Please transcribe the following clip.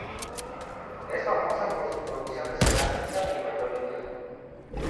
Es famosa por su producción de cerámica y mayólica.